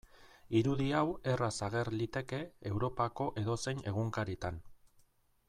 Irudi hau erraz ager liteke Europako edozein egunkaritan.